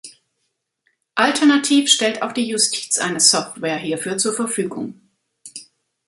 Alternativ stellt auch die Justiz eine Software hierfür zur Verfügung.